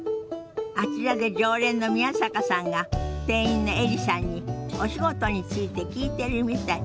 あちらで常連の宮坂さんが店員のエリさんにお仕事について聞いてるみたい。